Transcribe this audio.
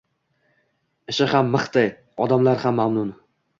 Ishi ham mixday, odamlar ham mamnun.